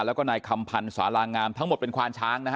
แล้วก็นายคำพันธ์สารางามทั้งหมดเป็นควานช้างนะฮะ